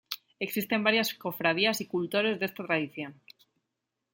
Existen varias cofradías y cultores de esta tradición.